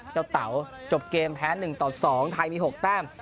เต๋าจบเกมแพ้๑ต่อ๒ไทยมี๖แต้ม